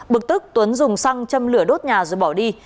bực tức tuấn dùng xăng châm lửa đốt nhà rồi bỏ đi